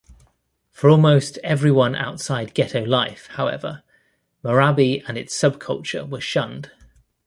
For almost everyone outside ghetto life, however, marabi and its subculture were shunned.